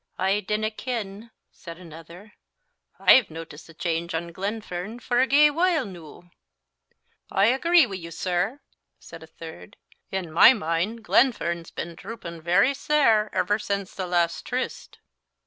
"I dinna ken," said another; "I've notic'd a chainge on Glenfern for a gey while noo." "I agree wi' you, sir," said a third. "In my mind Glenfern's been droopin' very sair ever since the last tryst."